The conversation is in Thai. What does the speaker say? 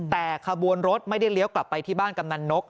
แต่ขบวนรถไม่ได้เลี้ยวกลับไปที่บ้านกำนันนก